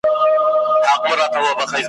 د تمدني اړیکو مطالعه